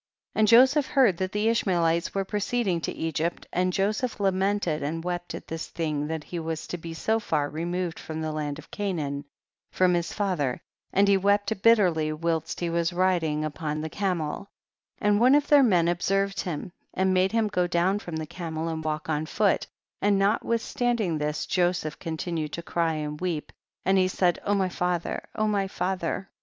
26. And Joseph heard that the Ishmaelites were proceeding to Egypt, and Joseph lamented and wept at this thing that he was to be so far removed from the land of Ca naan, from his father, and he wept bitterly whilst he was riding upon the camel, and one of their men ob served him, and made him go down from the camel and walk on foot, and notwithstanding this Joseph continu ed to cry and weep, and he said, O my father, my father.